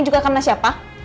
juga karena siapa